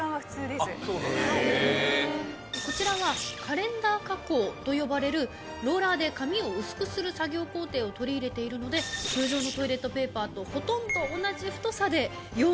こちらはカレンダー加工と呼ばれるローラーで紙を薄くする作業工程を取り入れているので通常のトイレットペーパーとほとんど同じ太さで。